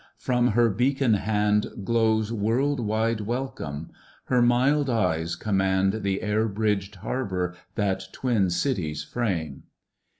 From her beacon hand Glows world wide welcome; her mild eyes command The air bridged harbor that twin cities frame.